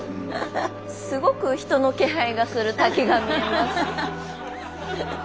すごく人の気配がする滝が見えます。